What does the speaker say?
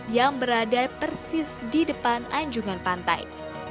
yang berada persis di depan anjungan pantai